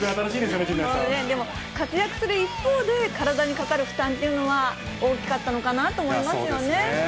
でも、活躍する一方で体にかかる負担っていうのは大きかったのかなと思いますよね。